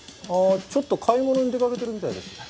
ああちょっと買い物に出かけてるみたいです。